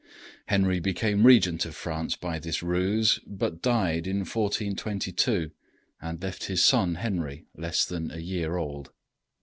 Henry became Regent of France by this ruse, but died in 1422, and left his son Henry, less than a year old.